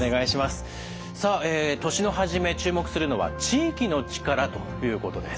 さあ年の初め注目するのは「地域の力」ということです。